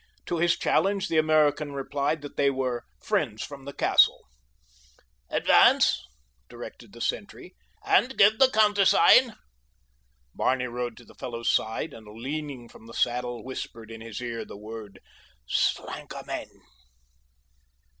To his challenge the American replied that they were "friends from the castle." "Advance," directed the sentry, "and give the countersign." Barney rode to the fellow's side, and leaning from the saddle whispered in his ear the word "Slankamen."